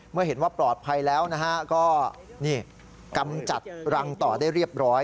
เมื่อเห็นว่าปลอดภัยแล้วนะฮะก็นี่กำจัดรังต่อได้เรียบร้อย